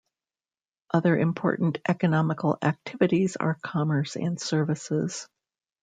Other important economical activities are commerce and services.